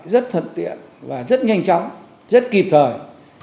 rất thuận tiện và rất nhanh chóng rất kịp thời